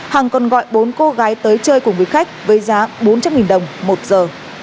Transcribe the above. hằng còn gọi bốn cô gái tới chơi cùng với khách với giá bốn trăm linh đồng một giờ